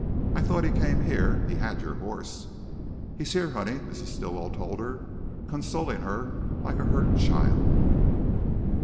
"I thought he came here he had your horse." "He's here, honey," Mrs. Stilwell told her, consoling her like a hurt child.